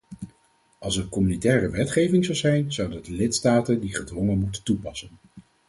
Als er communautaire wetgeving zou zijn, zouden de lidstaten die gedwongen moeten toepassen.